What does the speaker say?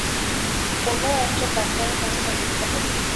কোনো- একজন ডাক্তারের কাছে তাঁকে নিতে হবে।